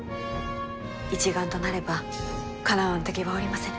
一丸となればかなわぬ敵はおりませぬ。